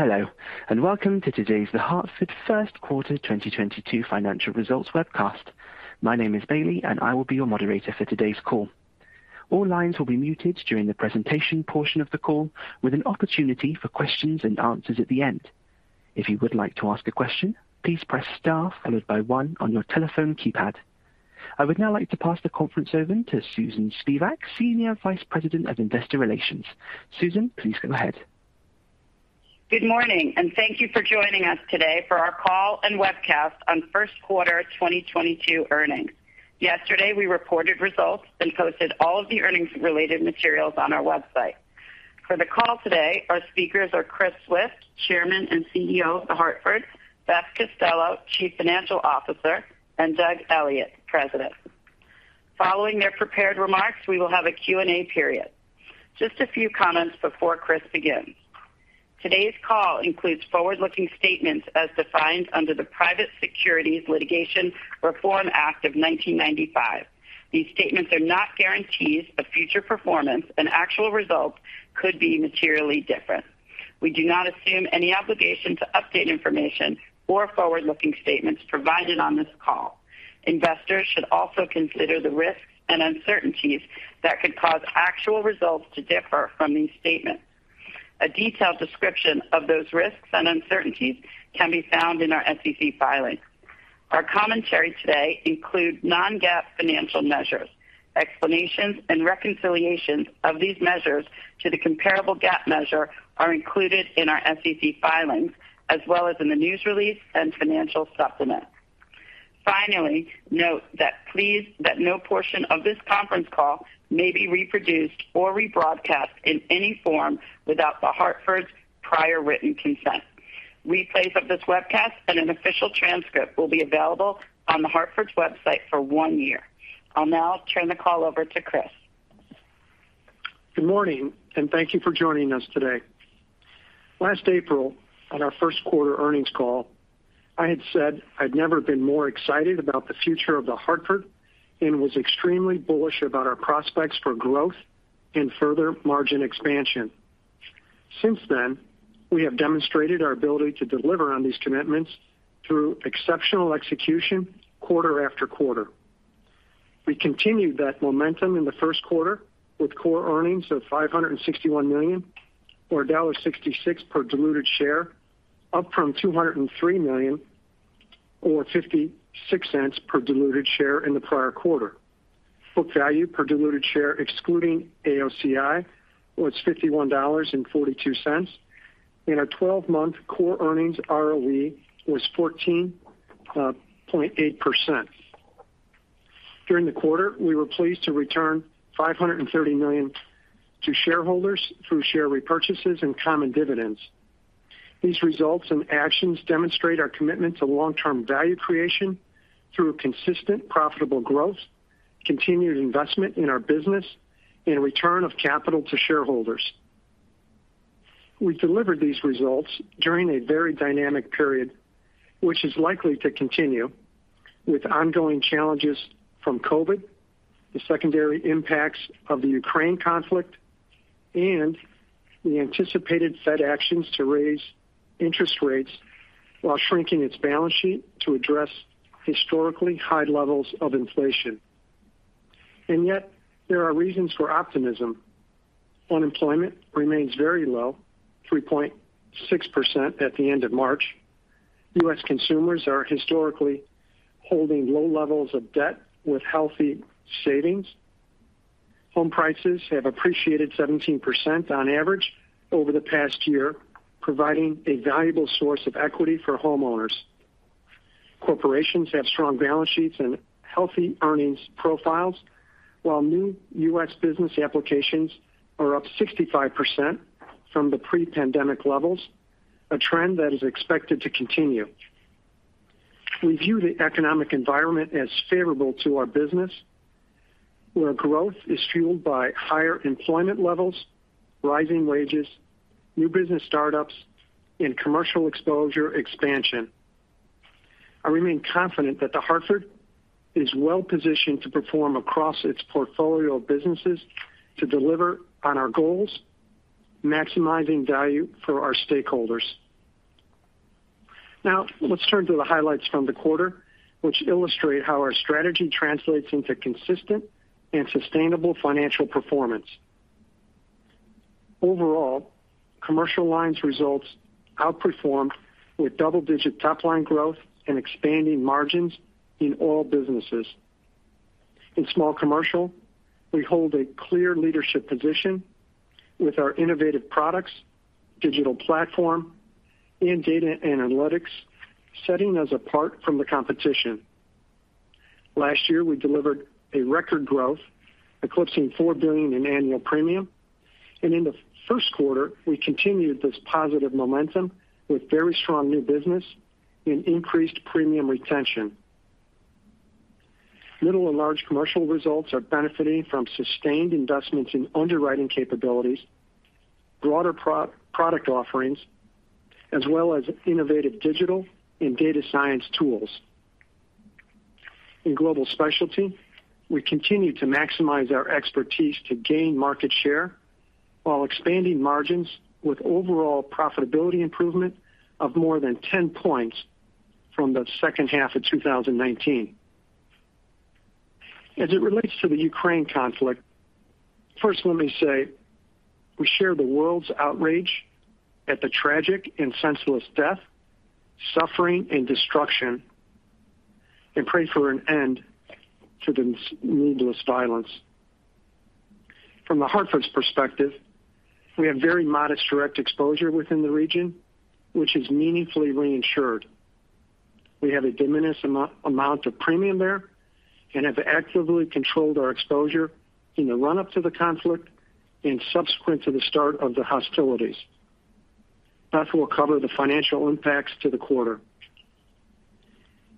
Hello, and welcome to today's The Hartford First Quarter 2022 financial results webcast. My name is Bailey, and I will be your moderator for today's call. All lines will be muted during the presentation portion of the call with an opportunity for questions and answers at the end. If you would like to ask a question, please press star followed by one on your telephone keypad. I would now like to pass the conference over to Susan Spivak, Senior Vice President of Investor Relations. Susan, please go ahead. Good morning, and thank you for joining us today for our call and webcast on first quarter 2022 earnings. Yesterday, we reported results and posted all of the earnings related materials on our website. For the call today, our speakers are Christopher Swift, Chairman and CEO of The Hartford, Beth Costello, Chief Financial Officer, and Douglas Elliott, President. Following their prepared remarks, we will have a Q&A period. Just a few comments before Chris begins. Today's call includes forward-looking statements as defined under the Private Securities Litigation Reform Act of 1995. These statements are not guarantees of future performance and actual results could be materially different. We do not assume any obligation to update information or forward-looking statements provided on this call. Investors should also consider the risks and uncertainties that could cause actual results to differ from these statements. A detailed description of those risks and uncertainties can be found in our SEC filings. Our commentary today includes non-GAAP financial measures. Explanations and reconciliations of these measures to the comparable GAAP measure are included in our SEC filings as well as in the news release and financial supplement. Finally, note that no portion of this conference call may be reproduced or rebroadcast in any form without The Hartford's prior written consent. Replays of this webcast and an official transcript will be available on The Hartford's website for one year. I'll now turn the call over to Chris. Good morning, and thank you for joining us today. Last April, on our first quarter earnings call, I had said I'd never been more excited about the future of The Hartford and was extremely bullish about our prospects for growth and further margin expansion. Since then, we have demonstrated our ability to deliver on these commitments through exceptional execution quarter after quarter. We continued that momentum in the first quarter with core earnings of $561 million or $1.66 per diluted share, up from $203 million or $0.56 per diluted share in the prior quarter. Book value per diluted share excluding AOCI was $51.42, and our 12-month core earnings ROE was 14.8%. During the quarter, we were pleased to return $530 million to shareholders through share repurchases and common dividends. These results and actions demonstrate our commitment to long-term value creation through consistent profitable growth, continued investment in our business and return of capital to shareholders. We delivered these results during a very dynamic period, which is likely to continue with ongoing challenges from COVID, the secondary impacts of the Ukraine conflict, and the anticipated Fed actions to raise interest rates while shrinking its balance sheet to address historically high levels of inflation. Yet there are reasons for optimism. Unemployment remains very low, 3.6% at the end of March. U.S. consumers are historically holding low levels of debt with healthy savings. Home prices have appreciated 17% on average over the past year, providing a valuable source of equity for homeowners. Corporations have strong balance sheets and healthy earnings profiles, while new U.S. business applications are up 65% from the pre-pandemic levels, a trend that is expected to continue. We view the economic environment as favorable to our business, where growth is fueled by higher employment levels, rising wages, new business startups and commercial exposure expansion. I remain confident that The Hartford is well positioned to perform across its portfolio of businesses to deliver on our goals, maximizing value for our stakeholders. Now, let's turn to the highlights from the quarter, which illustrate how our strategy translates into consistent and sustainable financial performance. Overall, Commercial lines results outperformed with double-digit top line growth and expanding margins in all businesses. In small commercial, we hold a clear leadership position with our innovative products, digital platform and data analytics, setting us apart from the competition. Last year, we delivered a record growth, eclipsing $4 billion in annual premium, and in the first quarter, we continued this positive momentum with very strong new business and increased premium retention. Middle and large commercial results are benefiting from sustained investments in underwriting capabilities, broader product offerings, as well as innovative digital and data science tools. In global specialty, we continue to maximize our expertise to gain market share while expanding margins with overall profitability improvement of more than 10 points from the second half of 2019. As it relates to the Ukraine conflict, first, let me say, we share the world's outrage at the tragic and senseless death, suffering, and destruction, and pray for an end to the needless violence. From The Hartford's perspective, we have very modest direct exposure within the region, which is meaningfully reinsured. We have a diminished amount of premium there and have actively controlled our exposure in the run-up to the conflict and subsequent to the start of the hostilities. Beth will cover the financial impacts to the quarter.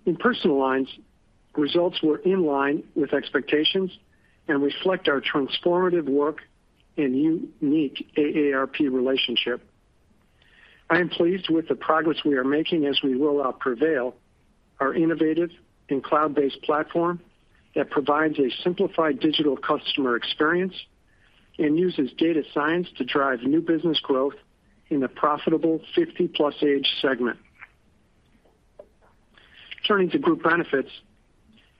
In personal lines, results were in line with expectations and reflect our transformative work and unique AARP relationship. I am pleased with the progress we are making as we roll out Prevail, our innovative and cloud-based platform that provides a simplified digital customer experience and uses data science to drive new business growth in the profitable 50+ age segment. Turning to group benefits.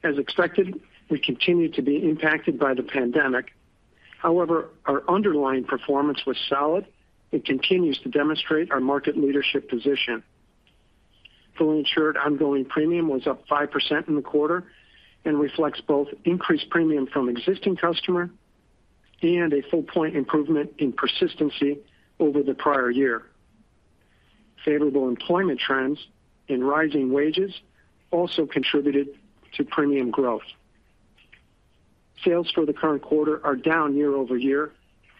As expected, we continue to be impacted by the pandemic. However, our underlying performance was solid and continues to demonstrate our market leadership position. Fully insured ongoing premium was up 5% in the quarter and reflects both increased premium from existing customer and a full point improvement in persistency over the prior year. Favorable employment trends and rising wages also contributed to premium growth. Sales for the current quarter are down year-over-year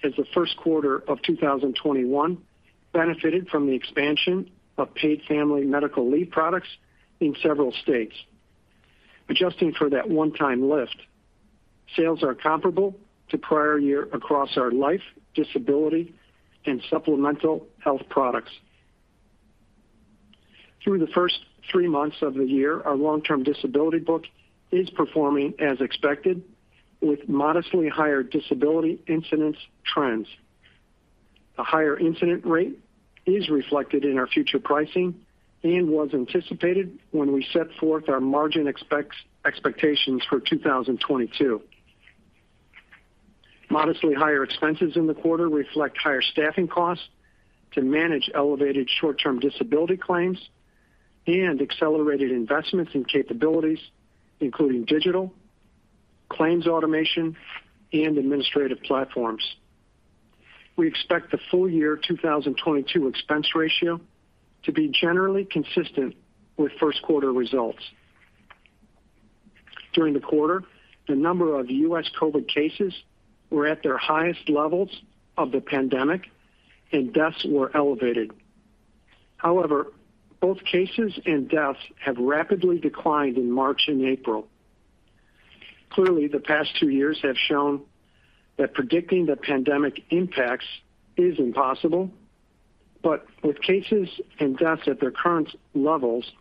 as the first quarter of 2021 benefited from the expansion of paid family medical leave products in several states. Adjusting for that one-time lift, sales are comparable to prior year across our life, disability, and supplemental health products. Through the first three months of the year, our long-term disability book is performing as expected, with modestly higher disability incidence trends. A higher incident rate is reflected in our future pricing and was anticipated when we set forth our margin expectations for 2022. Modestly higher expenses in the quarter reflect higher staffing costs to manage elevated short-term disability claims and accelerated investments in capabilities, including digital, claims automation, and administrative platforms. We expect the full year 2022 expense ratio to be generally consistent with first quarter results. During the quarter, the number of U.S. COVID cases were at their highest levels of the pandemic and deaths were elevated. However, both cases and deaths have rapidly declined in March and April. Clearly, the past two years have shown that predicting the pandemic impacts is impossible. With cases and deaths at their current levels,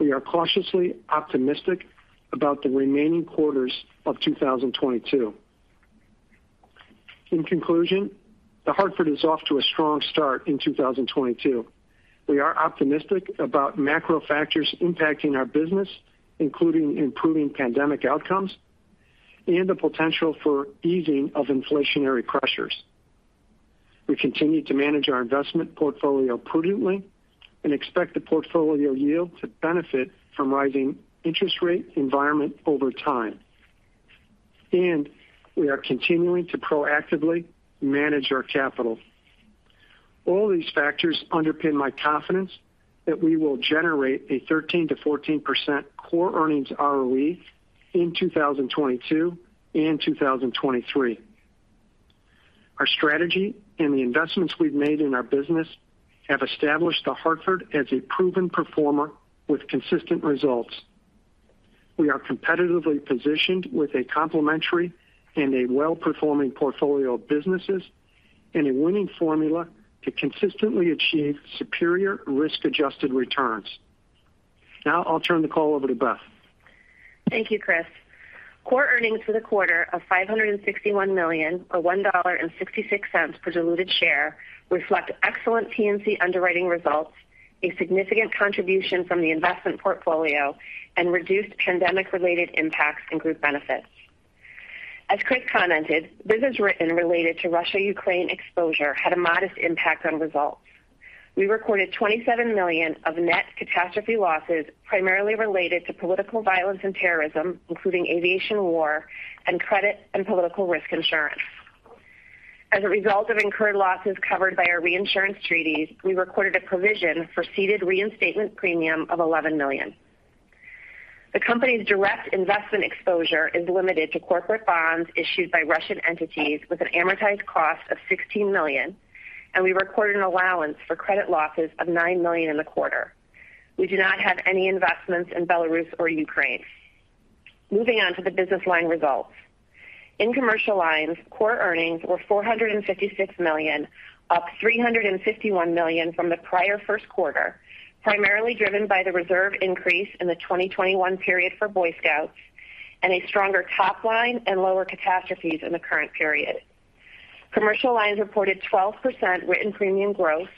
we are cautiously optimistic about the remaining quarters of 2022. In conclusion, The Hartford is off to a strong start in 2022. We are optimistic about macro factors impacting our business, including improving pandemic outcomes and the potential for easing of inflationary pressures. We continue to manage our investment portfolio prudently and expect the portfolio yield to benefit from rising interest rate environment over time. We are continuing to proactively manage our capital. All these factors underpin my confidence that we will generate a 13%-14% core earnings ROE in 2022 and 2023. Our strategy and the investments we've made in our business have established The Hartford as a proven performer with consistent results. We are competitively positioned with a complementary and a well-performing portfolio of businesses and a winning formula to consistently achieve superior risk-adjusted returns. Now I'll turn the call over to Beth. Thank you, Chris. Core earnings for the quarter of $561 million, or $1.66 per diluted share, reflect excellent P&C underwriting results, a significant contribution from the investment portfolio, and reduced pandemic-related impacts in group benefits. As Chris commented, business written related to Russia-Ukraine exposure had a modest impact on results. We recorded $27 million of net catastrophe losses, primarily related to political violence and terrorism, including aviation war and credit and political risk insurance. As a result of incurred losses covered by our reinsurance treaties, we recorded a provision for ceded reinstatement premium of $11 million. The company's direct investment exposure is limited to corporate bonds issued by Russian entities with an amortized cost of $16 million, and we recorded an allowance for credit losses of $9 million in the quarter. We do not have any investments in Belarus or Ukraine. Moving on to the business line results. In commercial lines, core earnings were $456 million, up $351 million from the prior first quarter, primarily driven by the reserve increase in the 2021 period for Boy Scouts and a stronger top line and lower catastrophes in the current period. Commercial lines reported 12% written premium growth,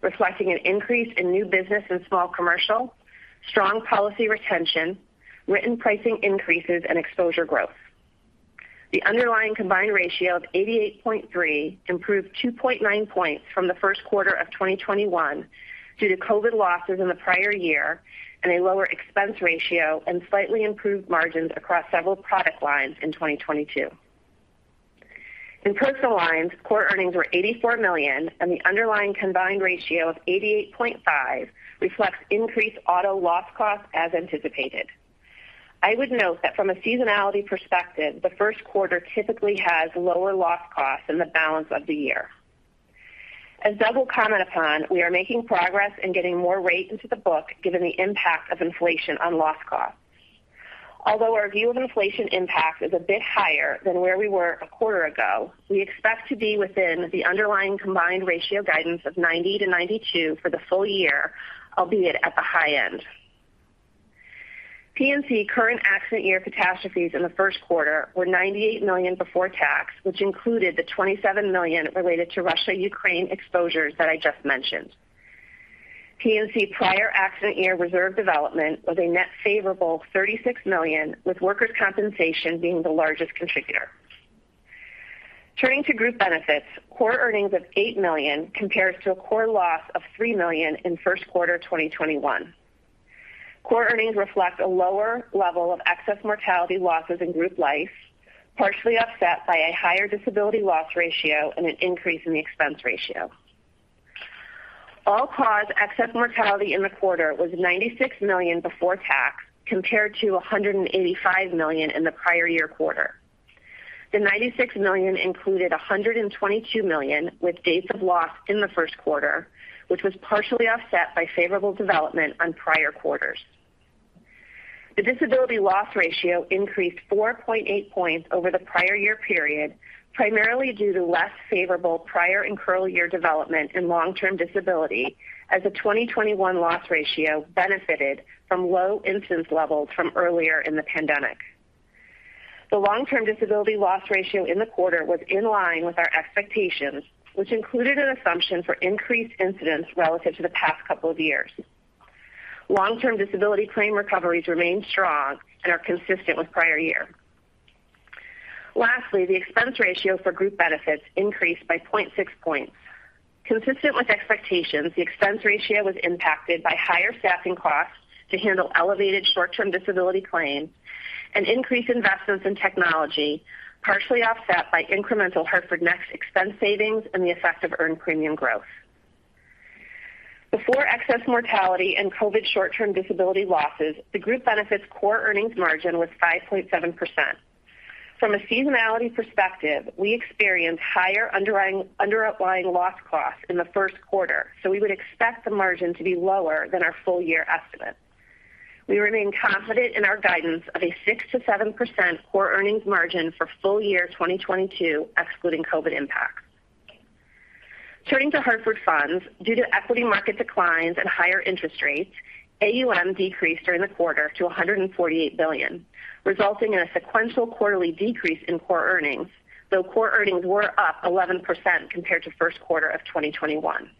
reflecting an increase in new business and small commercial, strong policy retention, written pricing increases and exposure growth. The underlying combined ratio of 88.3 improved 2.9 points from the first quarter of 2021 due to COVID losses in the prior year and a lower expense ratio and slightly improved margins across several product lines in 2022. In personal lines, core earnings were $84 million and the underlying combined ratio of 88.5 reflects increased auto loss costs as anticipated. I would note that from a seasonality perspective, the first quarter typically has lower loss costs than the balance of the year. As Douglas will comment upon, we are making progress in getting more rate into the book given the impact of inflation on loss costs. Although our view of inflation impact is a bit higher than where we were a quarter ago, we expect to be within the underlying combined ratio guidance of 90-92 for the full year, albeit at the high end. P&C current accident year catastrophes in the first quarter were $98 million before tax, which included the $27 million related to Russia-Ukraine exposures that I just mentioned. P&C prior accident year reserve development was a net favorable $36 million, with workers' compensation being the largest contributor. Turning to group benefits, core earnings of $8 million compares to a core loss of $3 million in first quarter 2021. Core earnings reflect a lower level of excess mortality losses in group life, partially offset by a higher disability loss ratio and an increase in the expense ratio. All-cause excess mortality in the quarter was $96 million before tax, compared to $185 million in the prior year quarter. The $96 million included $122 million with dates of loss in the first quarter, which was partially offset by favorable development on prior quarters. The disability loss ratio increased 4.8 points over the prior year period, primarily due to less favorable prior and current year development in long-term disability as the 2021 loss ratio benefited from low incidence levels from earlier in the pandemic. The long-term disability loss ratio in the quarter was in line with our expectations, which included an assumption for increased incidence relative to the past couple of years. Long-term disability claim recoveries remain strong and are consistent with prior year. Lastly, the expense ratio for group benefits increased by 0.6 points. Consistent with expectations, the expense ratio was impacted by higher staffing costs to handle elevated short-term disability claims and increased investments in technology, partially offset by incremental Hartford Next expense savings and the effect of earned premium growth. Before excess mortality and COVID short-term disability losses, the group benefits core earnings margin was 5.7%. From a seasonality perspective, we experienced higher underlying loss costs in the first quarter, so we would expect the margin to be lower than our full year estimate. We remain confident in our guidance of a 6%-7% core earnings margin for full year 2022, excluding COVID impacts. Turning to Hartford Funds, due to equity market declines and higher interest rates, AUM decreased during the quarter to $148 billion, resulting in a sequential quarterly decrease in core earnings, though core earnings were up 11% compared to first quarter of 2021.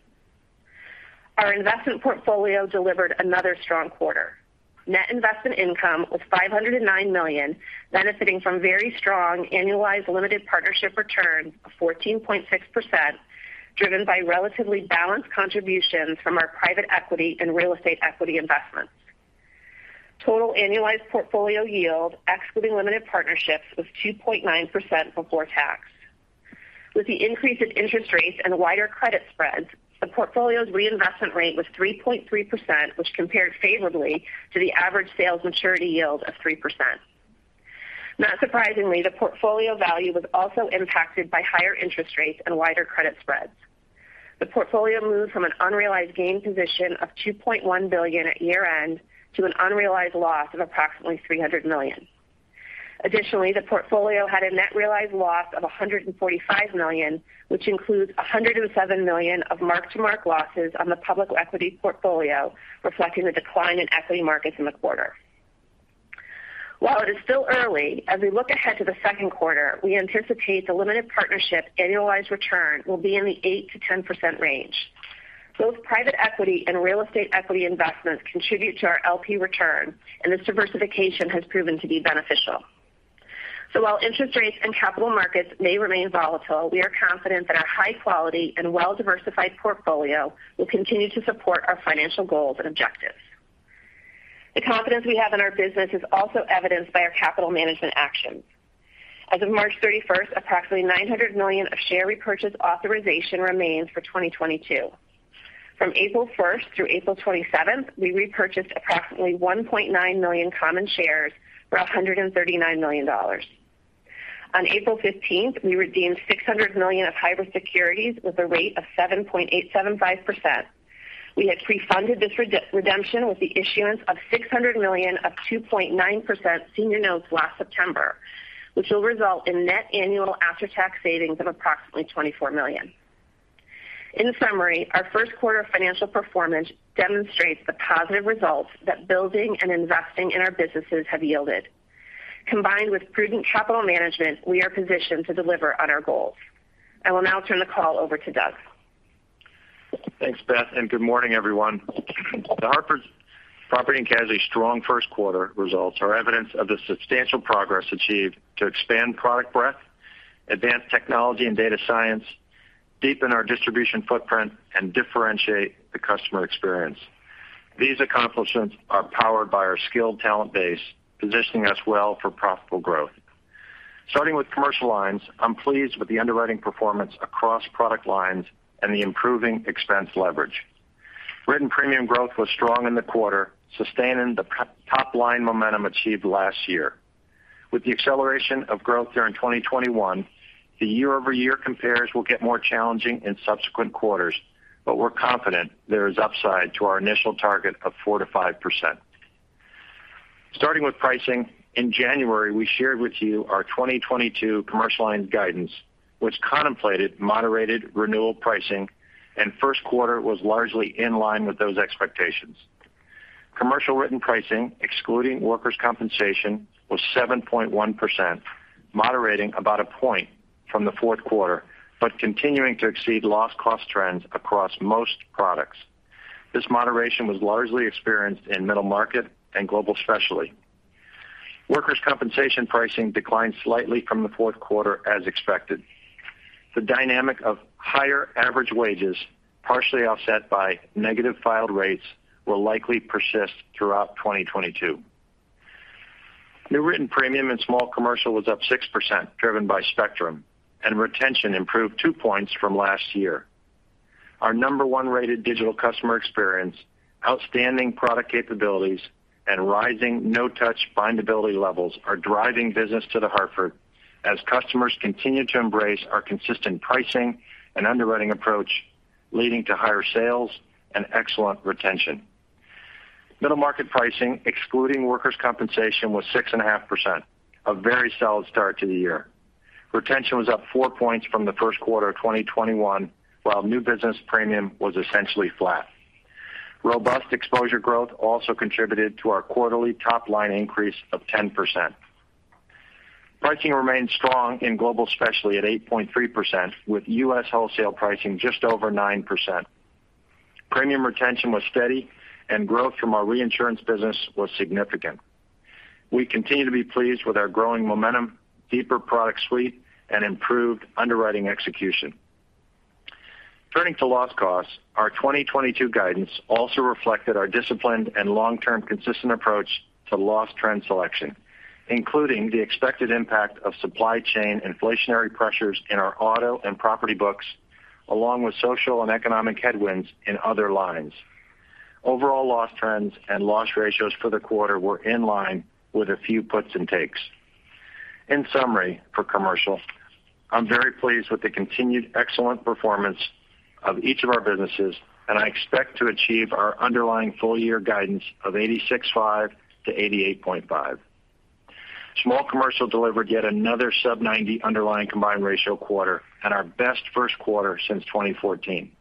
Our investment portfolio delivered another strong quarter. Net investment income was $509 million, benefiting from very strong annualized limited partnership return of 14.6%, driven by relatively balanced contributions from our private equity and real estate equity investments. Total annualized portfolio yield, excluding limited partnerships, was 2.9% before tax. With the increase in interest rates and wider credit spreads, the portfolio's reinvestment rate was 3.3%, which compared favorably to the average sales maturity yield of 3%. Not surprisingly, the portfolio value was also impacted by higher interest rates and wider credit spreads. The portfolio moved from an unrealized gain position of $2.1 billion at year-end to an unrealized loss of approximately $300 million. Additionally, the portfolio had a net realized loss of $145 million, which includes $107 million of mark-to-market losses on the public equity portfolio, reflecting the decline in equity markets in the quarter. While it is still early, as we look ahead to the second quarter, we anticipate the limited partnership annualized return will be in the 8%-10% range. Both private equity and real estate equity investments contribute to our LP return, and this diversification has proven to be beneficial. While interest rates and capital markets may remain volatile, we are confident that our high quality and well-diversified portfolio will continue to support our financial goals and objectives. The confidence we have in our business is also evidenced by our capital management actions. As of March 31st, approximately $900 million of share repurchase authorization remains for 2022. From April 1st through April 27th, we repurchased approximately 1.9 million common shares for $139 million. On April 15th, we redeemed $600 million of hybrid securities with a rate of 7.875%. We had prefunded this redemption with the issuance of $600 million of 2.9% senior notes last September, which will result in net annual after-tax savings of approximately $24 million. In summary, our first quarter financial performance demonstrates the positive results that building and investing in our businesses have yielded. Combined with prudent capital management, we are positioned to deliver on our goals. I will now turn the call over to Douglas. Thanks, Beth, and good morning, everyone. The Hartford's property and casualty strong first quarter results are evidence of the substantial progress achieved to expand product breadth, advance technology and data science, deepen our distribution footprint, and differentiate the customer experience. These accomplishments are powered by our skilled talent base, positioning us well for profitable growth. Starting with commercial lines, I'm pleased with the underwriting performance across product lines and the improving expense leverage. Written premium growth was strong in the quarter, sustaining the top-line momentum achieved last year. With the acceleration of growth during 2021, the year-over-year compares will get more challenging in subsequent quarters, but we're confident there is upside to our initial target of 4%-5%. Starting with pricing, in January, we shared with you our 2022 commercial line guidance, which contemplated moderated renewal pricing, and first quarter was largely in line with those expectations. Commercial written pricing, excluding workers' compensation, was 7.1%, moderating about one point from the fourth quarter, but continuing to exceed loss cost trends across most products. This moderation was largely experienced in middle market and global specialty. Workers' compensation pricing declined slightly from the fourth quarter as expected. The dynamic of higher average wages, partially offset by negative filed rates, will likely persist throughout 2022. New written premium in small commercial was up 6% driven by Spectrum, and retention improved 2 points from last year. Our number one-rated digital customer experience, outstanding product capabilities, and rising no-touch findability levels are driving business to The Hartford as customers continue to embrace our consistent pricing and underwriting approach, leading to higher sales and excellent retention. Middle market pricing, excluding workers' compensation, was 6.5%, a very solid start to the year. Retention was up 4 points from the first quarter of 2021, while new business premium was essentially flat. Robust exposure growth also contributed to our quarterly top-line increase of 10%. Pricing remained strong in global specialty at 8.3%, with US wholesale pricing just over 9%. Premium retention was steady, and growth from our reinsurance business was significant. We continue to be pleased with our growing momentum, deeper product suite, and improved underwriting execution. Turning to loss costs, our 2022 guidance also reflected our disciplined and long-term consistent approach to loss trend selection, including the expected impact of supply chain inflationary pressures in our auto and property books, along with social and economic headwinds in other lines. Overall loss trends and loss ratios for the quarter were in line with a few puts and takes. In summary, for commercial, I'm very pleased with the continued excellent performance of each of our businesses, and I expect to achieve our underlying full year guidance of 86.5-88.5. Small commercial delivered yet another sub-90 underlying combined ratio quarter and our best first quarter since 2014.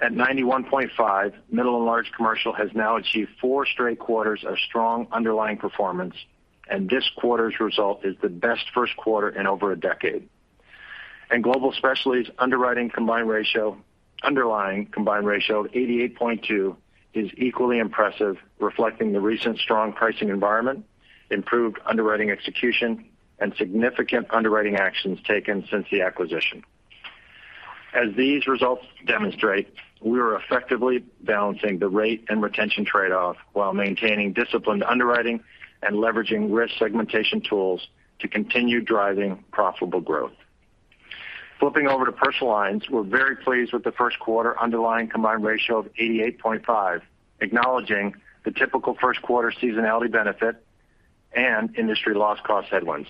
At 91.5, middle and large commercial has now achieved four straight quarters of strong underlying performance, and this quarter's result is the best first quarter in over a decade. Global specialties underwriting combined ratio, underlying combined ratio of 88.2% is equally impressive, reflecting the recent strong pricing environment, improved underwriting execution, and significant underwriting actions taken since the acquisition. As these results demonstrate, we are effectively balancing the rate and retention trade-off while maintaining disciplined underwriting and leveraging risk segmentation tools to continue driving profitable growth. Flipping over to personal lines, we're very pleased with the first quarter underlying combined ratio of 88.5%, acknowledging the typical first quarter seasonality benefit and industry loss cost headwinds.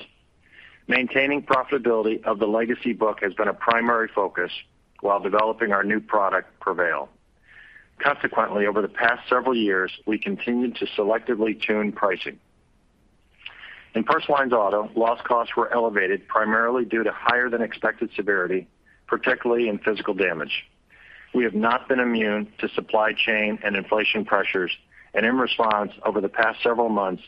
Maintaining profitability of the legacy book has been a primary focus while developing our new product Prevail. Consequently, over the past several years, we continued to selectively tune pricing. In personal lines auto, loss costs were elevated primarily due to higher than expected severity, particularly in physical damage. We have not been immune to supply chain and inflation pressures, and in response, over the past several months,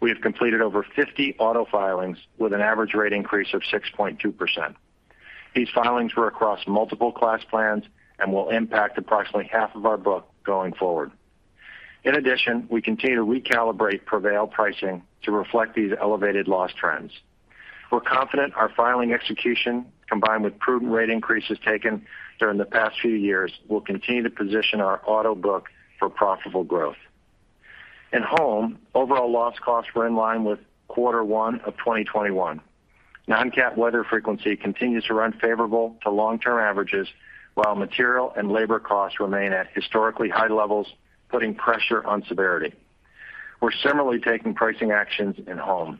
we have completed over 50 auto filings with an average rate increase of 6.2%. These filings were across multiple class plans and will impact approximately half of our book going forward. In addition, we continue to recalibrate Prevail pricing to reflect these elevated loss trends. We're confident our filing execution, combined with prudent rate increases taken during the past few years, will continue to position our auto book for profitable growth. In home, overall loss costs were in line with quarter one of 2021. Non-cat weather frequency continues to run favorable to long-term averages, while material and labor costs remain at historically high levels, putting pressure on severity. We're similarly taking pricing actions in home.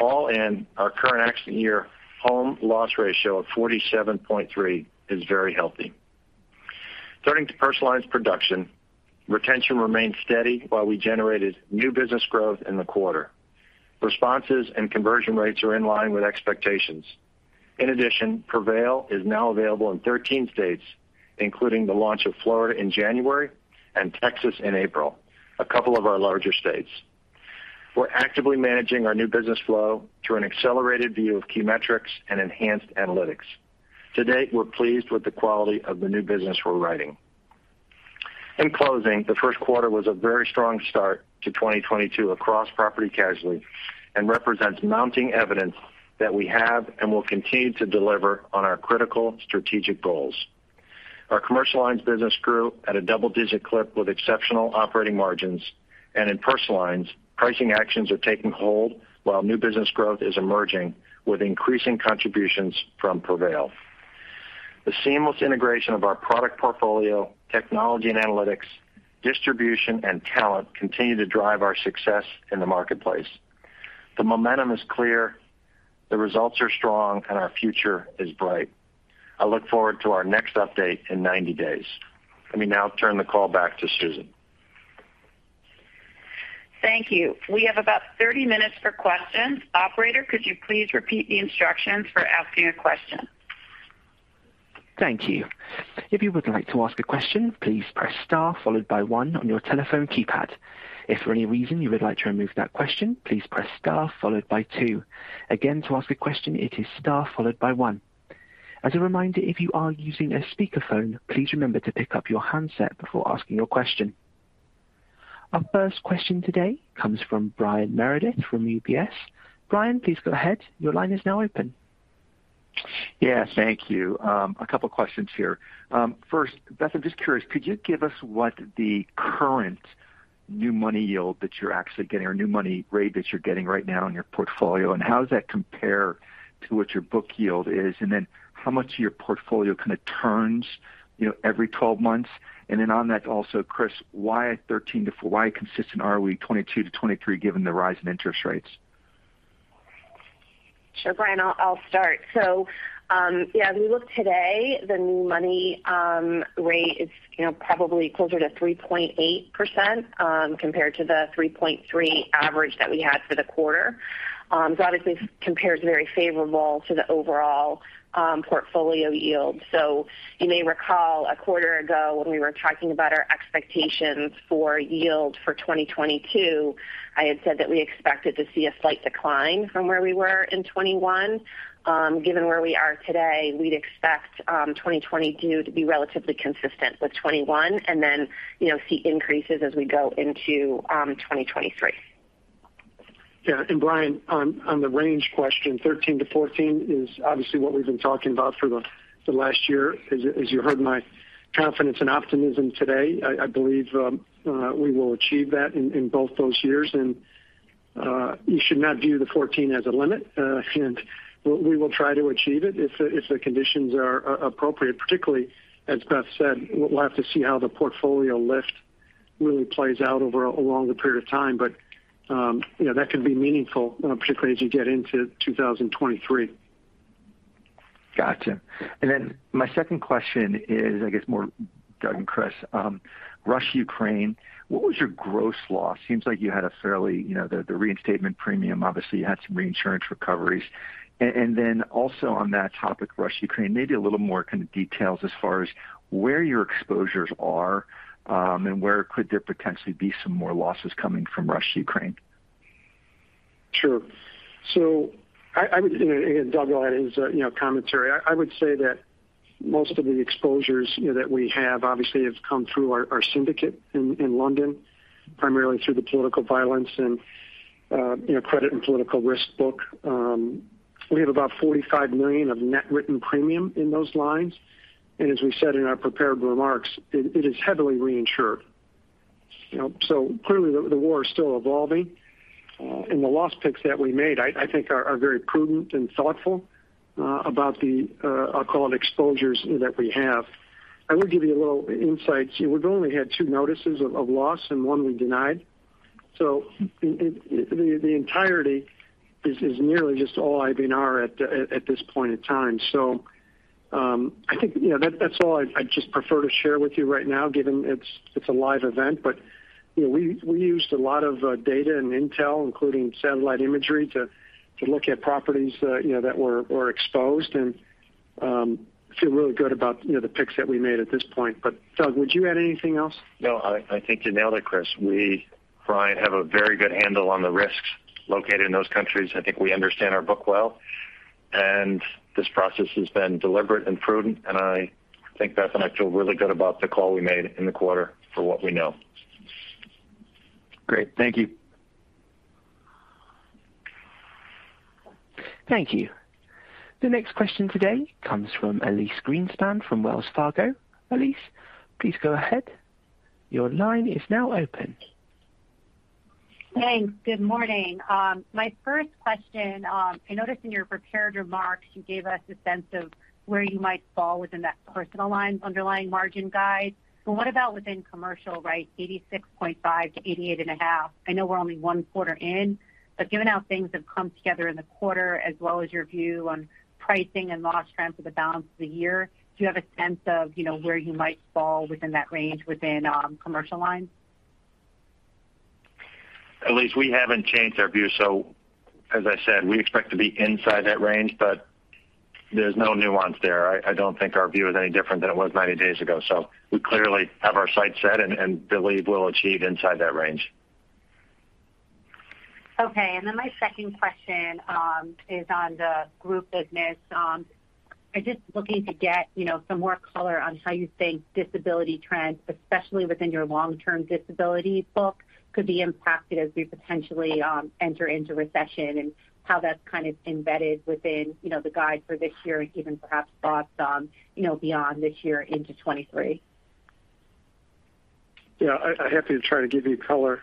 All in, our current accident year home loss ratio of 47.3% is very healthy. Turning to Personal Lines production. Retention remained steady while we generated new business growth in the quarter. Responses and conversion rates are in line with expectations. In addition, Prevail is now available in 13 states, including the launch of Florida in January and Texas in April, a couple of our larger states. We're actively managing our new business flow through an accelerated view of key metrics and enhanced analytics. To date, we're pleased with the quality of the new business we're writing. In closing, the first quarter was a very strong start to 2022 across Property and Casualty and represents mounting evidence that we have and will continue to deliver on our critical strategic goals. Our Commercial Lines business grew at a double-digit clip with exceptional operating margins. In Personal Lines, pricing actions are taking hold while new business growth is emerging with increasing contributions from Prevail. The seamless integration of our product portfolio, technology and analytics, distribution and talent continue to drive our success in the marketplace. The momentum is clear, the results are strong, and our future is bright. I look forward to our next update in 90 days. Let me now turn the call back to Susan. Thank you. We have about 30 minutes for questions. Operator, could you please repeat the instructions for asking a question? Thank you. If you would like to ask a question, please press star followed by one on your telephone keypad. If for any reason you would like to remove that question, please press star followed by two. Again, to ask a question, it is star followed by one. As a reminder, if you are using a speakerphone, please remember to pick up your handset before asking your question. Our first question today comes from Brian Meredith from UBS. Brian, please go ahead. Your line is now open. Yeah, thank you. A couple questions here. First, Beth, I'm just curious, could you give us what the current new money yield that you're actually getting or new money rate that you're getting right now in your portfolio, and how does that compare to what your book yield is? How much of your portfolio kind of turns, you know, every 12 months? On that also, Chris, why consistent are we 2022-2023 given the rise in interest rates? Sure, Brian. I'll start. Yeah, as we look today, the new money rate is, you know, probably closer to 3.8%, compared to the 3.3% average that we had for the quarter. Obviously compares very favorable to the overall portfolio yield. You may recall a quarter ago when we were talking about our expectations for yield for 2022, I had said that we expected to see a slight decline from where we were in 2021. Given where we are today, we'd expect 2022 to be relatively consistent with 2021 and then, you know, see increases as we go into 2023. Yeah, Brian, on the range question, 13%-14% is obviously what we've been talking about for the last year. As you heard my confidence and optimism today, I believe we will achieve that in both those years. You should not view the 14% as a limit. We will try to achieve it if the conditions are appropriate, particularly, as Beth said, we'll have to see how the portfolio lift really plays out over a longer period of time. You know, that can be meaningful, particularly as you get into 2023. Gotcha. Then my second question is, I guess, more Douglas and Chris. Russia-Ukraine, what was your gross loss? Seems like you had a fairly, you know, the reinstatement premium, obviously you had some reinsurance recoveries. And then also on that topic, Russia-Ukraine, maybe a little more kind of details as far as where your exposures are, and where could there potentially be some more losses coming from Russia-Ukraine? Sure. I would, you know, again, Douglas will add his, you know, commentary. I would say that most of the exposures, you know, that we have obviously have come through our syndicate in London, primarily through the political violence and credit and political risk book. We have about $45 million of net written premium in those lines. And as we said in our prepared remarks, it is heavily reinsured. You know, so clearly the war is still evolving. And the loss picks that we made, I think are very prudent and thoughtful about the, I'll call it exposures that we have. I will give you a little insight. We've only had two notices of loss and one we denied. The entirety is nearly just all IBNR at this point in time. I think, you know, that's all I'd just prefer to share with you right now given it's a live event. You know, we used a lot of data and intel, including satellite imagery to look at properties, you know, that were exposed and feel really good about, you know, the picks that we made at this point. Doug, would you add anything else? No, I think you nailed it, Chris. We, Brian, have a very good handle on the risks located in those countries. I think we understand our book well, and this process has been deliberate and prudent, and I think Beth and I feel really good about the call we made in the quarter for what we know. Great. Thank you. Thank you. The next question today comes from Elyse Greenspan from Wells Fargo. Elyse, please go ahead. Your line is now open. Thanks. Good morning. My first question, I noticed in your prepared remarks you gave us a sense of where you might fall within that personal lines underlying margin guide. What about within commercial, right, 86.5%-88.5%? I know we're only one quarter in, but given how things have come together in the quarter as well as your view on pricing and loss trends for the balance of the year, do you have a sense of, you know, where you might fall within that range within commercial lines? Elyse, we haven't changed our view. As I said, we expect to be inside that range, but there's no nuance there. I don't think our view is any different than it was 90 days ago. We clearly have our sights set and believe we'll achieve inside that range. Okay. My second question is on the group business. I'm just looking to get, you know, some more color on how you think disability trends, especially within your long-term disability book, could be impacted as we potentially enter into recession and how that's kind of embedded within, you know, the guide for this year and even perhaps thoughts on, you know, beyond this year into 2023. Yeah. I'm happy to try to give you color,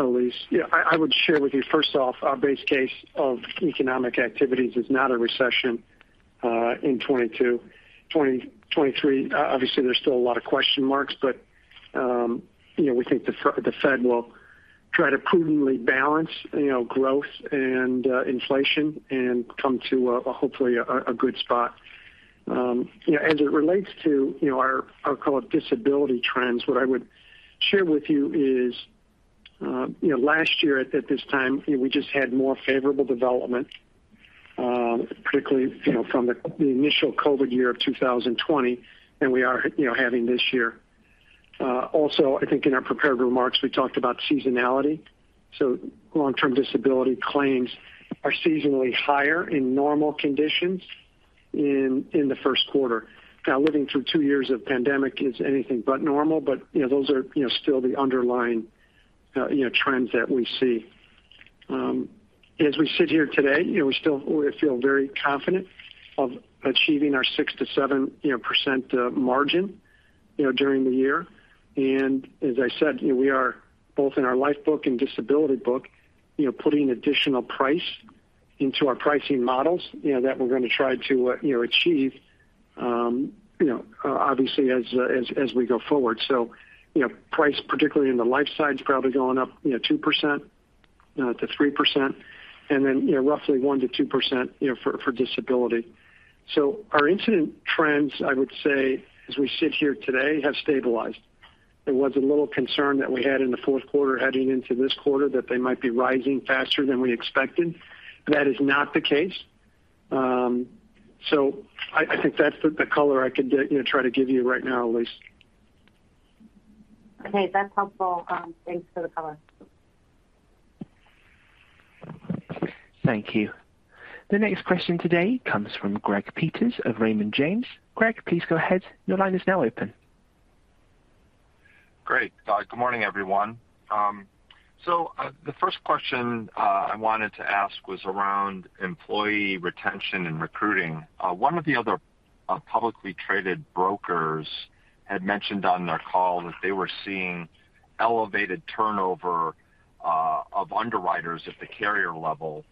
Elyse. I would share with you first off our base case of economic activities is not a recession in 2022-2023. Obviously there's still a lot of question marks, but you know, we think the Fed will try to prudently balance you know, growth and inflation and come to a good spot. You know, as it relates to you know, our, I'll call it disability trends, what I would share with you is you know, last year at this time you know, we just had more favorable development particularly you know, from the initial COVID year of 2020 than we are you know, having this year. Also, I think in our prepared remarks, we talked about seasonality. Long-term disability claims are seasonally higher in normal conditions in the first quarter. Now, living through two years of pandemic is anything but normal, but you know, those are you know, still the underlying trends that we see. As we sit here today, you know, we still feel very confident of achieving our 6%-7% margin during the year. As I said, you know, we are both in our life book and disability book you know, putting additional price into our pricing models you know, that we're gonna try to achieve, obviously as we go forward. You know, price particularly in the life side is probably going up, you know, 2%-3%, and then, you know, roughly 1%-2%, you know, for disability. Our incident trends, I would say, as we sit here today, have stabilized. There was a little concern that we had in the fourth quarter heading into this quarter that they might be rising faster than we expected. That is not the case. I think that's the color I could, you know, try to give you right now, Elyse. Okay. That's helpful. Thanks for the color. Thank you. The next question today comes from C. Gregory Peters of Raymond James. C. Gregory Peters, please go ahead. Your line is now open. Great. Good morning, everyone. The first question I wanted to ask was around employee retention and recruiting. One of the other publicly traded brokers had mentioned on their call that they were seeing elevated turnover of underwriters at the carrier level,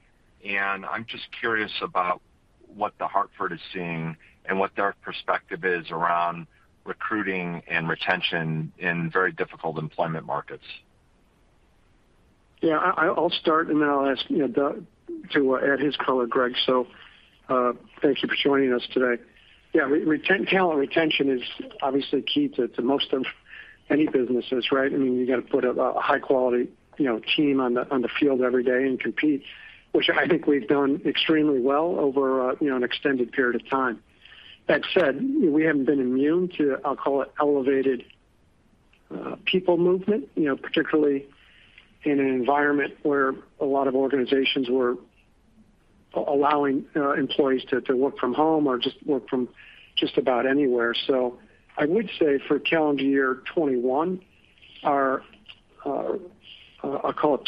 and I'm just curious about what The Hartford is seeing and what their perspective is around recruiting and retention in very difficult employment markets. Yeah. I'll start, and then I'll ask you know, Douglas to add his color, Gregory, so thank you for joining us today. Yeah. Talent retention is obviously key to most of any businesses, right? I mean, you got to put a high quality, you know, team on the field every day and compete, which I think we've done extremely well over you know, an extended period of time. That said, we haven't been immune to, I'll call it, elevated people movement, you know, particularly in an environment where a lot of organizations were allowing employees to work from home or just work from just about anywhere. I would say for calendar year 2021, our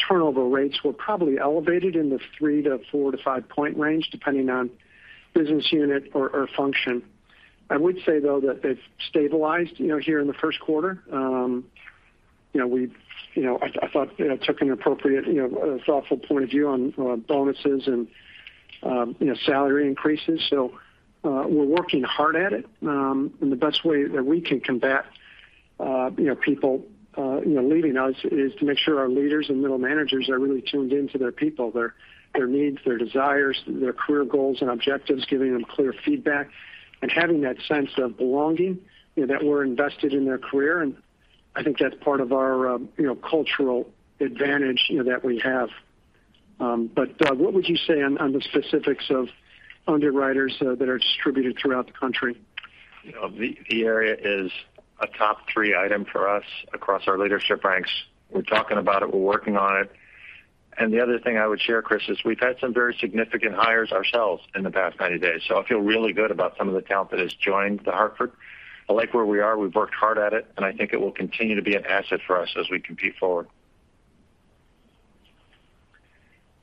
turnover rates were probably elevated in the 3 to 4 to 5 point range, depending on business unit or function. I would say, though, that they've stabilized, you know, here in the first quarter. You know, I thought took an appropriate, you know, a thoughtful point of view on bonuses and, you know, salary increases. We're working hard at it. The best way that we can combat, you know, people, you know, leaving us is to make sure our leaders and middle managers are really tuned in to their people, their needs, their desires, their career goals and objectives, giving them clear feedback and having that sense of belonging, you know, that we're invested in their career, and I think that's part of our, you know, cultural advantage, you know, that we have. Douglas, what would you say on the specifics of underwriters that are distributed throughout the country? You know, the area is a top three item for us across our leadership ranks. We're talking about it, we're working on it. The other thing I would share, Chris, is we've had some very significant hires ourselves in the past 90 days. I feel really good about some of the talent that has joined The Hartford. I like where we are. We've worked hard at it, and I think it will continue to be an asset for us as we compete forward.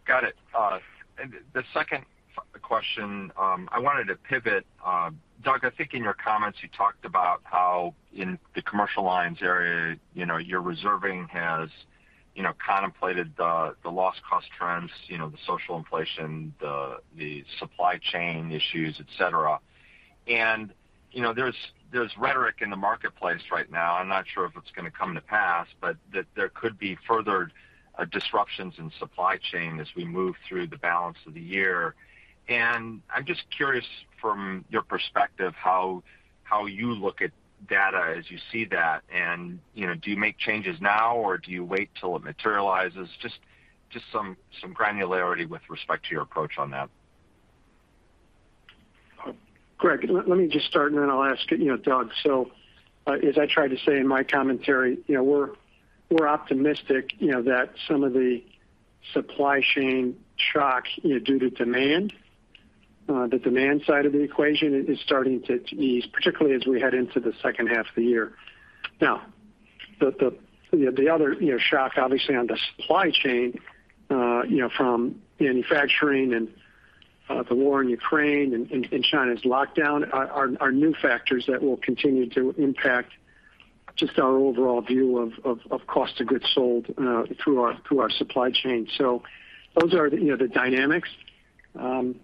Got it. The second question, I wanted to pivot. Douglas, I think in your comments you talked about how in the commercial lines area, you know, your reserving has you know contemplated the loss cost trends, you know, the social inflation, the supply chain issues, et cetera. You know, there's rhetoric in the marketplace right now, I'm not sure if it's going to come to pass, but that there could be further disruptions in supply chain as we move through the balance of the year. I'm just curious from your perspective how you look at data as you see that and, you know, do you make changes now, or do you wait till it materializes? Just some granularity with respect to your approach on that. Greg, let me just start, and then I'll ask, you know, Douglas. As I tried to say in my commentary, you know, we're optimistic, you know, that some of the supply chain shocks due to demand, the demand side of the equation is starting to ease, particularly as we head into the second half of the year. Now, the other shock obviously on the supply chain, you know, from manufacturing and the war in Ukraine and China's lockdown are new factors that will continue to impact just our overall view of cost of goods sold through our supply chain. Those are, you know, the dynamics. You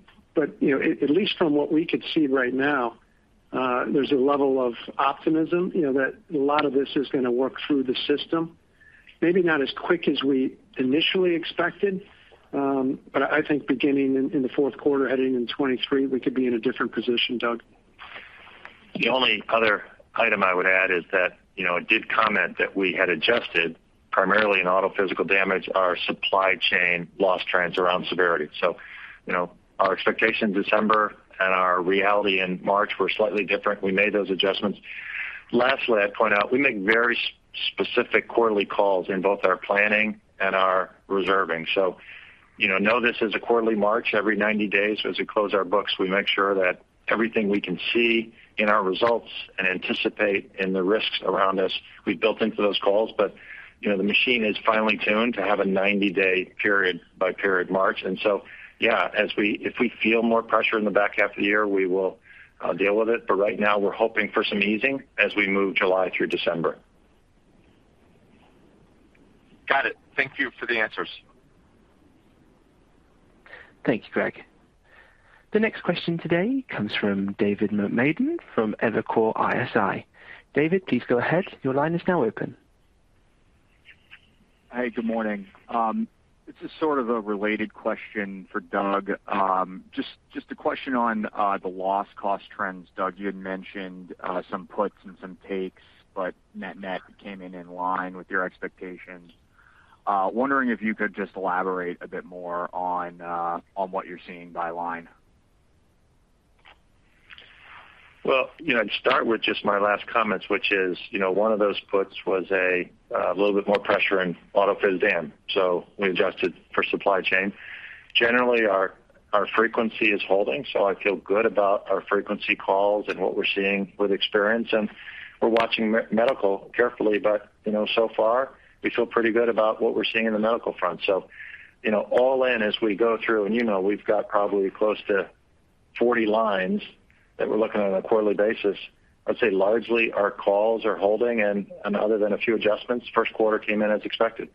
know, at least from what we could see right now, there's a level of optimism, you know, that a lot of this is going to work through the system. Maybe not as quick as we initially expected, but I think beginning in the fourth quarter, heading in 2023, we could be in a different position. Douglas? The only other item I would add is that, you know, I did comment that we had adjusted primarily in auto physical damage, our supply chain loss trends around severity. You know, our expectation in December and our reality in March were slightly different. We made those adjustments. Lastly, I'd point out we make very specific quarterly calls in both our planning and our reserving. You know, this is a quarterly march every 90 days as we close our books, we make sure that everything we can see in our results and anticipate in the risks around us, we built into those calls. You know, the machine is finely tuned to have a 90-day period by period march. Yeah, if we feel more pressure in the back half of the year, we will deal with it. Right now, we're hoping for some easing as we move July through December. Got it. Thank you for the answers. Thank you, Greg. The next question today comes from David Motemaden from Evercore ISI. David, please go ahead. Your line is now open. Hey, good morning. This is sort of a related question for Douglas. Just a question on the loss cost trends. Douglas, you had mentioned some puts and some takes, but net net came in in line with your expectations. Wondering if you could just elaborate a bit more on what you're seeing by line. Well, you know, to start with just my last comments, which is, you know, one of those puts was a little bit more pressure in auto physical damage, so we adjusted for supply chain. Generally, our frequency is holding, so I feel good about our frequency calls and what we're seeing with experience. We're watching medical carefully, but, you know, so far we feel pretty good about what we're seeing in the medical front. You know, all in as we go through, and you know, we've got probably close to 40 lines that we're looking on a quarterly basis. I'd say largely our calls are holding and other than a few adjustments, first quarter came in as expected.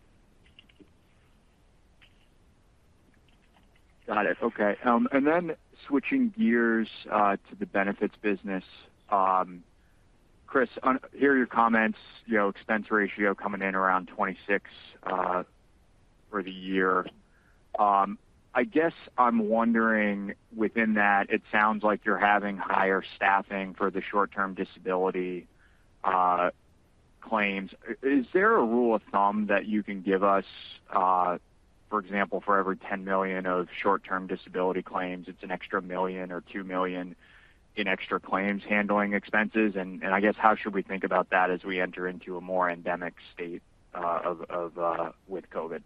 Got it. Okay. Then switching gears to the benefits business. Chris, on your comments, you know, expense ratio coming in around 26% for the year. I guess I'm wondering within that it sounds like you're having higher staffing for the short-term disability claims. Is there a rule of thumb that you can give us, for example, for every $10 million of short-term disability claims, it's an extra $1 million or $2 million in extra claims handling expenses? And I guess how should we think about that as we enter into a more endemic state of with COVID?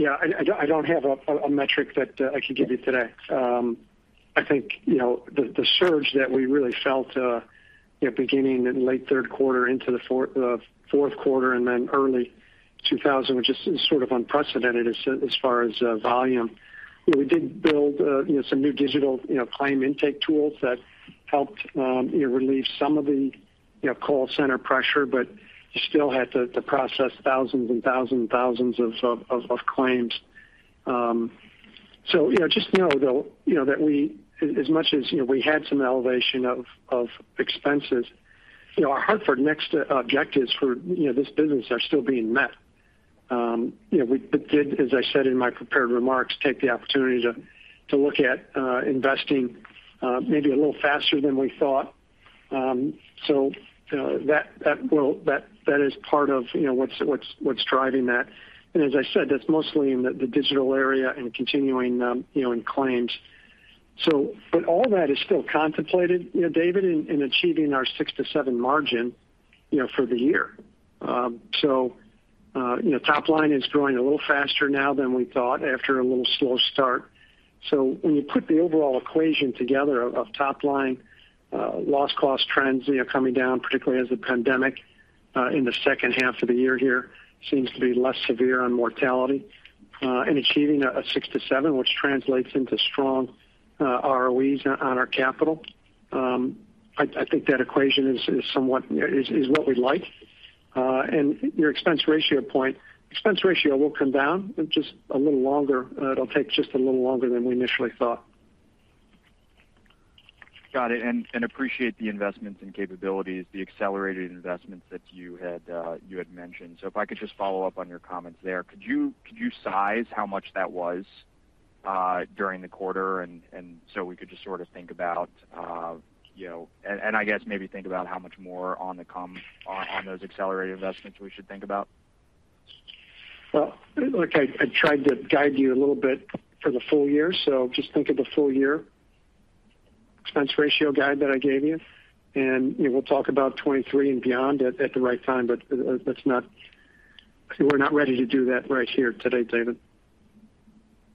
Yeah, I don't have a metric that I could give you today. I think you know, the surge that we really felt you know, beginning in late third quarter into the fourth quarter and then early 2020, which is sort of unprecedented as far as volume. We did build you know, some new digital you know, claim intake tools that helped you know, relieve some of the you know, call center pressure, but you still had to process thousands and thousands and thousands of claims. Just know though you know, that we as much as you know, we had some elevation of expenses. You know, our Hartford Next objectives for you know, this business are still being met. You know, we did, as I said in my prepared remarks, take the opportunity to look at investing maybe a little faster than we thought. That is part of, you know, what's driving that. As I said, that's mostly in the digital area and continuing, you know, in claims. But all that is still contemplated, you know, David, in achieving our 6%-7% margin, you know, for the year. You know, top line is growing a little faster now than we thought after a little slow start. When you put the overall equation together of top line, loss cost trends, you know, coming down, particularly as the pandemic in the second half of the year here seems to be less severe on mortality, and achieving a 6%-7%, which translates into strong ROEs on our capital. I think that equation is somewhat what we'd like. Your expense ratio point, expense ratio will come down in just a little longer. It'll take just a little longer than we initially thought. Got it. I appreciate the investments and capabilities, the accelerated investments that you had mentioned. If I could just follow up on your comments there. Could you size how much that was during the quarter and so we could just sort of think about how much more on the come, on those accelerated investments we should think about? Well, look, I tried to guide you a little bit for the full year, so just think of the full year expense ratio guide that I gave you, and, you know, we'll talk about 2023 and beyond at the right time. Let's not. We're not ready to do that right here today, David.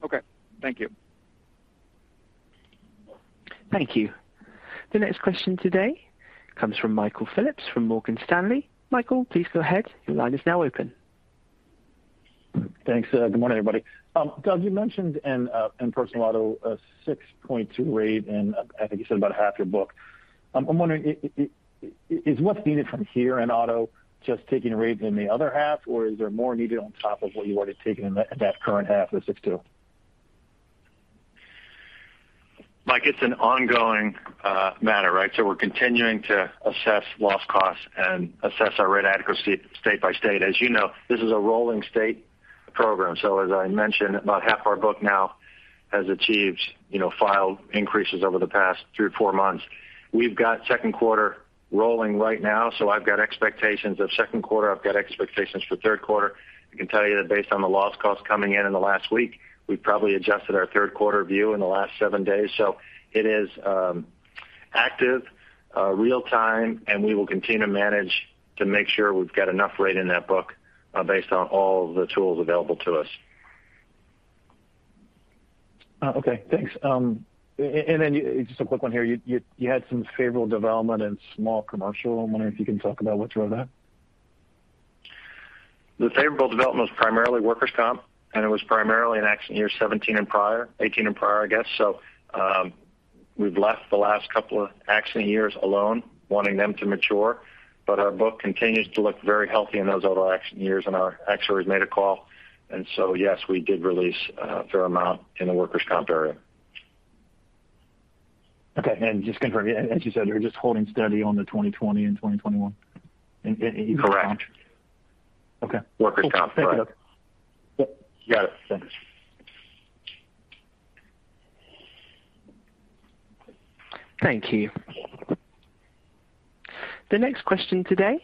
Okay. Thank you. Thank you. The next question today comes from Michael Phillips from Morgan Stanley. Michael, please go ahead. Your line is now open. Thanks. Good morning, everybody. Douglas, you mentioned in personal auto a 6.2 rate, and I think you said about half your book. I'm wondering is what's needed from here in auto just taking rate in the other half, or is there more needed on top of what you've already taken in that current half of 6.2? Michael, it's an ongoing matter, right? We're continuing to assess loss costs and assess our rate adequacy state by state. As you know, this is a rolling state program. As I mentioned, about half our book now has achieved, you know, filed increases over the past three or four months. We've got second quarter rolling right now, so I've got expectations of second quarter. I've got expectations for third quarter. I can tell you that based on the loss costs coming in in the last week, we've probably adjusted our third quarter view in the last seven days. It is active real time, and we will continue to manage to make sure we've got enough rate in that book based on all the tools available to us. Okay, thanks. Just a quick one here. You had some favorable development in small commercial. I'm wondering if you can talk about what drove that? The favorable development was primarily workers' comp, and it was primarily in accident year 2017 and prior, 2018 and prior, I guess. We've left the last couple of accident years alone, wanting them to mature, but our book continues to look very healthy in those older accident years, and our actuaries made a call. Yes, we did release a fair amount in the workers' comp area. Okay. Just to confirm, as you said, you're just holding steady on the 2020 and 2021 in workers' comp? Correct. Okay. Workers' comp, right. Cool. Thank you, Douglas. You got it. Thanks. Thank you. The next question today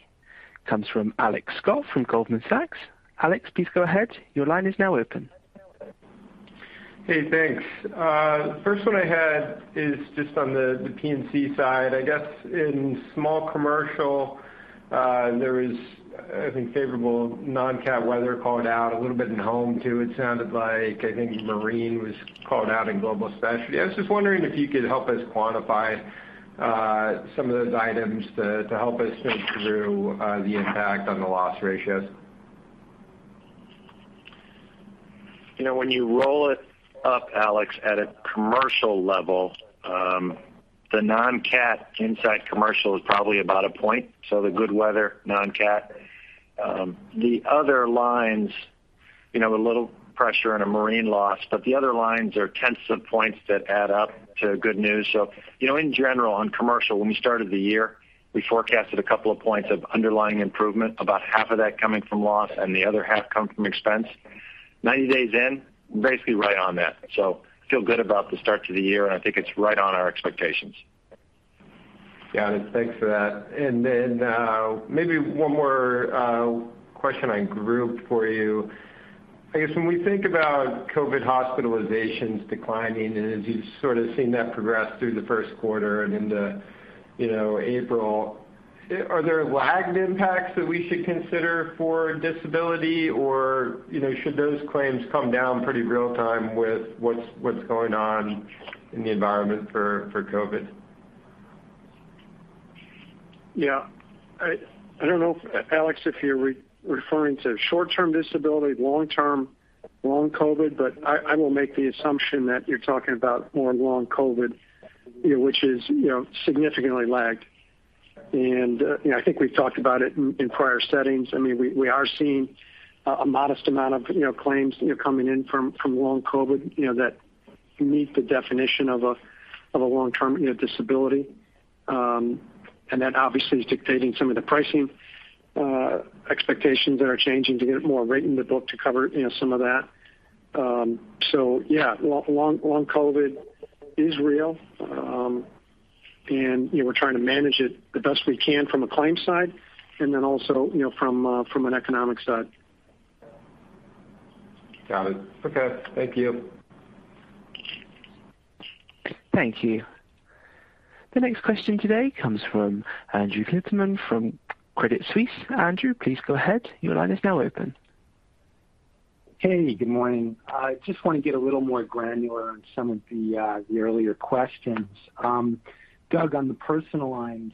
comes from Alex Scott from Goldman Sachs. Alex, please go ahead. Your line is now open. Hey, thanks. First one I had is just on the P&C side. I guess in small commercial, there was, I think, favorable non-cat weather called out, a little bit in home, too. It sounded like, I think marine was called out in global specialty. I was just wondering if you could help us quantify, some of those items to help us think through, the impact on the loss ratios. You know, when you roll it up, Alex, at a commercial level, the non-cat inside commercial is probably about a point, so the good weather non-cat. The other lines, you know, a little pressure on a marine loss, but the other lines are tenths of points that add up to good news. In general, on commercial, when we started the year, we forecasted a couple of points of underlying improvement, about half of that coming from loss, and the other half come from expense. 90 days in, we're basically right on that. Feel good about the start to the year, and I think it's right on our expectations. Got it. Thanks for that. Maybe one more question I grouped for you. I guess when we think about COVID hospitalizations declining, and as you've sort of seen that progress through the first quarter and into, you know, April, are there lagged impacts that we should consider for disability? You know, should those claims come down pretty real time with what's going on in the environment for COVID? Yeah. I don't know, Alex, if you're referring to short-term disability, long-term, long COVID, but I will make the assumption that you're talking about more long COVID, you know, which is, you know, significantly lagged. You know, I think we've talked about it in prior settings. I mean, we are seeing a modest amount of, you know, claims, you know, coming in from long COVID, you know, that meet the definition of a long-term, you know, disability. And that obviously is dictating some of the pricing expectations that are changing to get more rate in the book to cover, you know, some of that. So yeah, long COVID is real. You know, we're trying to manage it the best we can from a claims side and then also, you know, from an economic side. Got it. Okay. Thank you. Thank you. The next question today comes from Andrew Kligerman from Credit Suisse. Andrew, please go ahead. Your line is now open. Hey, good morning. I just want to get a little more granular on some of the earlier questions. Douglas, on the personal lines,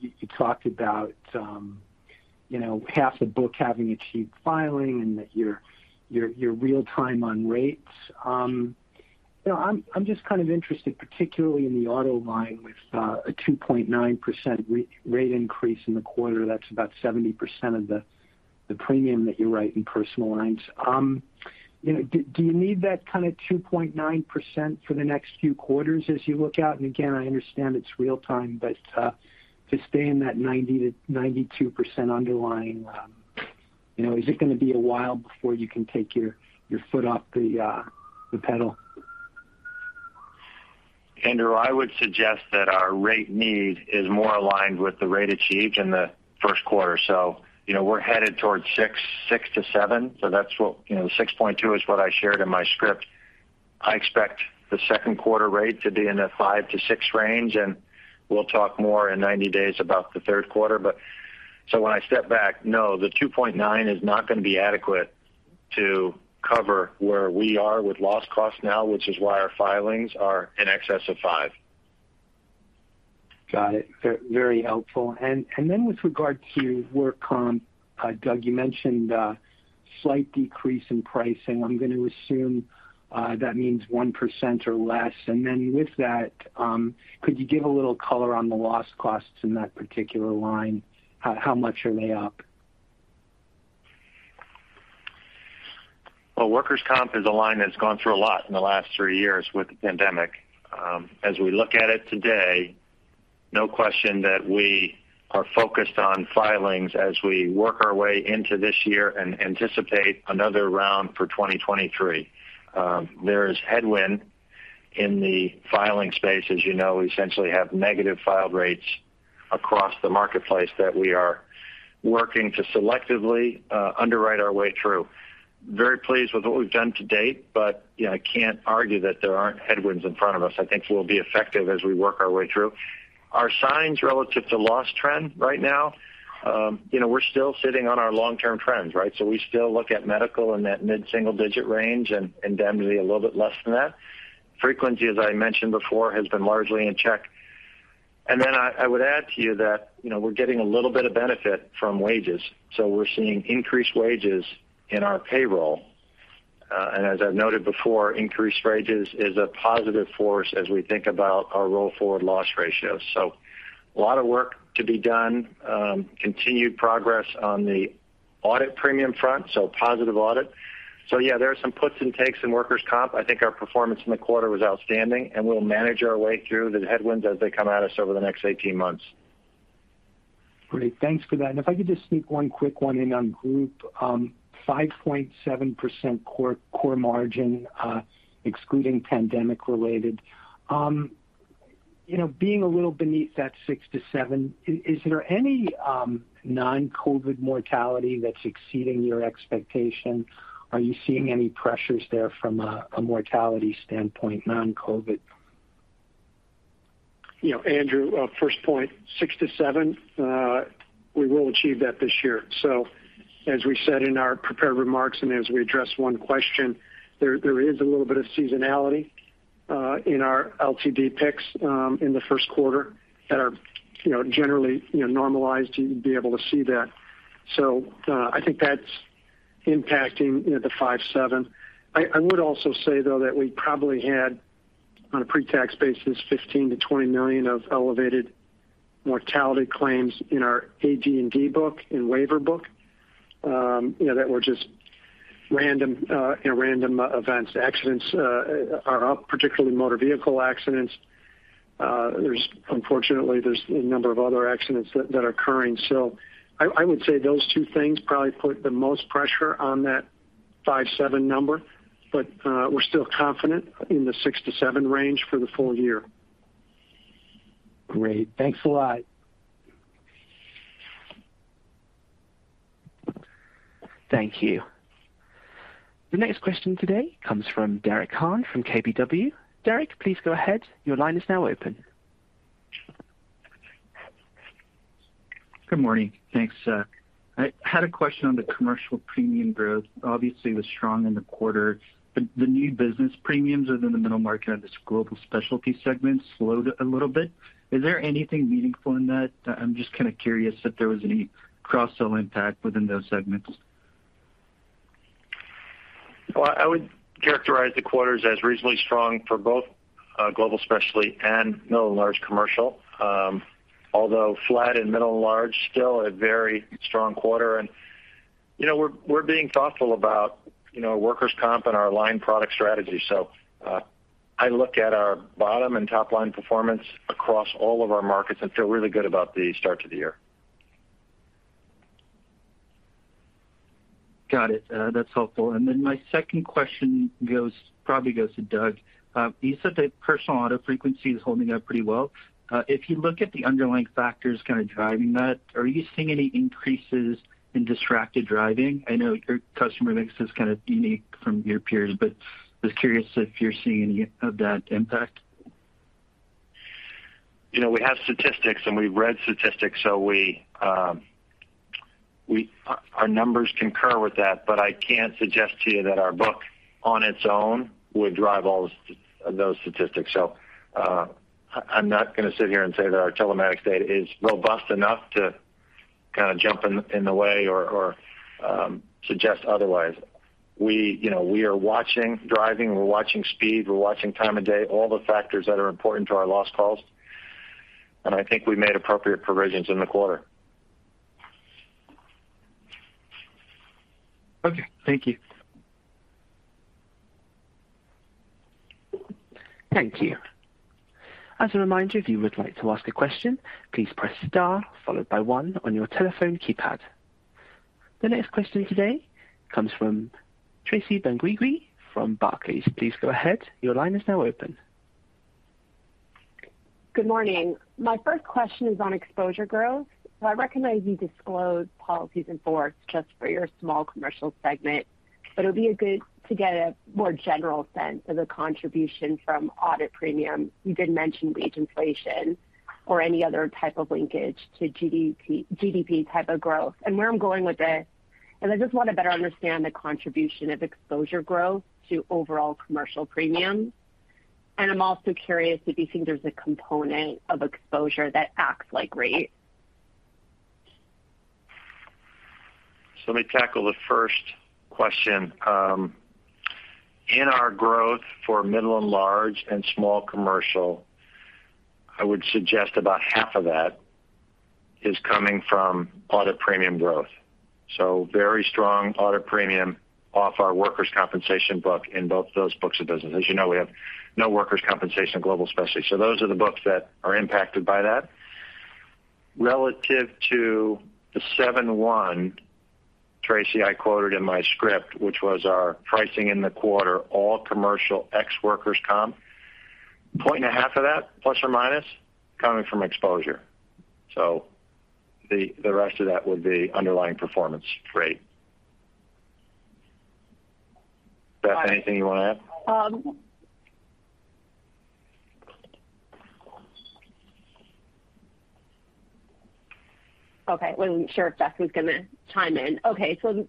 you talked about, you know, half the book having achieved filing and that your real-time on rates. You know, I'm just kind of interested, particularly in the auto line with a 2.9% rate increase in the quarter. That's about 70% of the premium that you write in personal lines. You know, do you need that kind of 2.9% for the next few quarters as you look out? And again, I understand it's real-time, but to stay in that 90%-92% underlying, you know, is it gonna be a while before you can take your foot off the pedal? Andrew, I would suggest that our rate need is more aligned with the rate achieved in the first quarter. You know, we're headed towards 6%-7%. You know, 6.2% is what I shared in my script. I expect the second quarter rate to be in the 5%-6% range, and we'll talk more in 90 days about the third quarter. When I step back, no, the 2.9% is not going to be adequate to cover where we are with loss cost now, which is why our filings are in excess of 5%. Got it. Very helpful. Then with regard to work comp, Douglas, you mentioned slight decrease in pricing. I'm going to assume that means 1% or less. Then with that, could you give a little color on the loss costs in that particular line? How much are they up? Well, workers' comp is a line that's gone through a lot in the last three years with the pandemic. As we look at it today, no question that we are focused on filings as we work our way into this year and anticipate another round for 2023. There is headwind in the filing space. As you know, we essentially have negative filed rates across the marketplace that we are working to selectively underwrite our way through. Very pleased with what we've done to date, but, you know, I can't argue that there aren't headwinds in front of us. I think we'll be effective as we work our way through. Our sense relative to loss trend right now, you know, we're still sitting on our long-term trends, right? We still look at medical in that mid-single digit range and indemnity a little bit less than that. Frequency, as I mentioned before, has been largely in check. I would add to you that, you know, we're getting a little bit of benefit from wages. We're seeing increased wages in our payroll. As I've noted before, increased wages is a positive force as we think about our roll-forward loss ratio. A lot of work to be done, continued progress on the audit premium front, so positive audit. Yeah, there are some puts and takes in workers' comp. I think our performance in the quarter was outstanding, and we'll manage our way through the headwinds as they come at us over the next 18 months. Great. Thanks for that. If I could just sneak one quick one in on Group, 5.7% core margin, excluding pandemic-related. You know, being a little beneath that 6%-7%, is there any non-COVID mortality that's exceeding your expectation? Are you seeing any pressures there from a mortality standpoint, non-COVID? You know, Andrew, first point, 6%-7%, we will achieve that this year. As we said in our prepared remarks and as we address one question, there is a little bit of seasonality in our LTD picks in the first quarter that are, you know, generally, you know, normalized. You'd be able to see that. I think that's impacting, you know, the 5-7. I would also say, though, that we probably had, on a pre-tax basis, $15 million-$20 million of elevated mortality claims in our AD&D book, in waiver book, you know, that were just random, you know, random events. Accidents are up, particularly motor vehicle accidents. Unfortunately, there's a number of other accidents that are occurring. I would say those two things probably put the most pressure on that 5-7 number, but we're still confident in the 6%-7% range for the full year. Great. Thanks a lot. Thank you. The next question today comes from Derek Han from KBW. Derek, please go ahead. Your line is now open. Good morning. Thanks, sir. I had a question on the commercial premium growth. Obviously, it was strong in the quarter, but the new business premiums within the middle market on this global specialty segment slowed a little bit. Is there anything meaningful in that? I'm just kind of curious if there was any cross-sell impact within those segments. Well, I would characterize the quarters as reasonably strong for both global specialty and middle and large commercial. Although flat in middle and large, still a very strong quarter. You know, we're being thoughtful about, you know, workers' comp and our online product strategy. I look at our bottom- and top-line performance across all of our markets and feel really good about the start to the year. Got it. That's helpful. My second question probably goes to Douglas. You said that personal auto frequency is holding up pretty well. If you look at the underlying factors kind of driving that, are you seeing any increases in distracted driving? I know your customer mix is kind of unique from your peers, but just curious if you're seeing any of that impact. You know, we have statistics and we've read statistics, so our numbers concur with that. But I can't suggest to you that our book on its own would drive all those statistics. I'm not gonna sit here and say that our telematics data is robust enough to kind of jump in the way or suggest otherwise. You know, we are watching driving, we're watching speed, we're watching time of day, all the factors that are important to our loss costs. I think we made appropriate provisions in the quarter. Okay, thank you. Thank you. As a reminder, if you would like to ask a question, please press star followed by one on your telephone keypad. The next question today comes from Tracy Benguigui from Barclays. Please go ahead. Your line is now open. Good morning. My first question is on exposure growth. I recognize you disclose policies in force just for your small commercial segment, but it'll be a good to get a more general sense of the contribution from audit premium. You did mention wage inflation or any other type of linkage to GDP type of growth. Where I'm going with this is I just want to better understand the contribution of exposure growth to overall commercial premiums. I'm also curious if you think there's a component of exposure that acts like rate. Let me tackle the first question. In our growth for middle and large and small commercial, I would suggest about half of that is coming from audit premium growth. Very strong audit premium off our workers' compensation book in both those books of business. As you know, we have no workers' compensation global specialty. Those are the books that are impacted by that. Relative to the 7.1, Tracy, I quoted in my script, which was our pricing in the quarter, all commercial ex workers comp, 1.5 of that, ±, coming from exposure. The rest of that would be underlying performance rate. Beth, anything you want to add? Um. Wasn't sure if Beth was gonna chime in.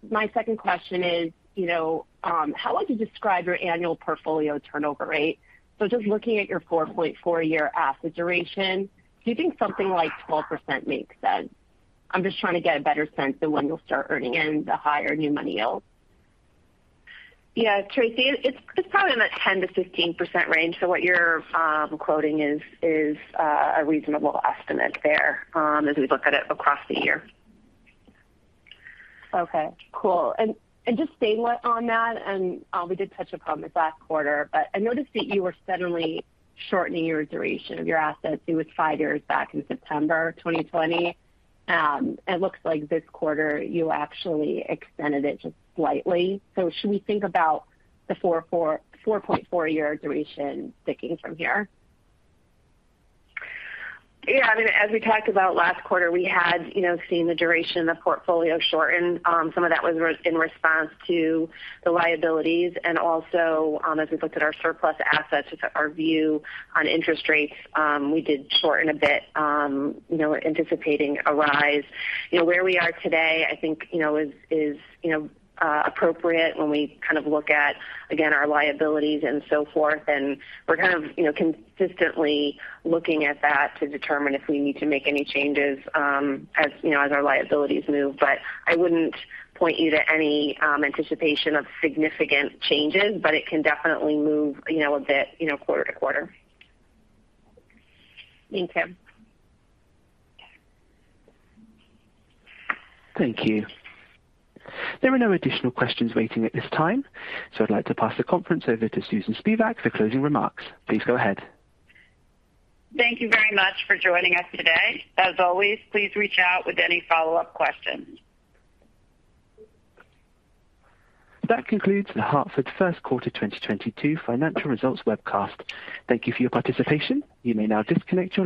My second question is, you know, how would you describe your annual portfolio turnover rate? Just looking at your 4.4-year asset duration, do you think something like 12% makes sense? I'm just trying to get a better sense of when you'll start earning in the higher new money yield. Yeah, Tracy, it's probably in that 10%-15% range. What you're quoting is a reasonable estimate there, as we look at it across the year. Okay, cool. Just staying on that, we did touch upon this last quarter, but I noticed that you were suddenly shortening your duration of your assets. It was five years back in September 2020. It looks like this quarter you actually extended it just slightly. Should we think about the 4.4-year duration sticking from here? Yeah. I mean, as we talked about last quarter, we had, you know, seen the duration of portfolio shortened. Some of that was in response to the liabilities. Also, as we looked at our surplus assets, our view on interest rates, we did shorten a bit, you know, anticipating a rise. You know, where we are today, I think, you know, is appropriate when we kind of look at, again, our liabilities and so forth. We're kind of, you know, consistently looking at that to determine if we need to make any changes, as, you know, as our liabilities move. I wouldn't point you to any anticipation of significant changes, but it can definitely move, you know, a bit, you know, quarter to quarter. Thank you. Thank you. There are no additional questions waiting at this time, so I'd like to pass the conference over to Susan Spivak Bernstein for closing remarks. Please go ahead. Thank you very much for joining us today. As always, please reach out with any follow-up questions. That concludes The Hartford first quarter 2022 financial results webcast. Thank you for your participation. You may now disconnect your lines.